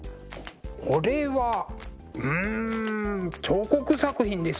これはうん彫刻作品ですね。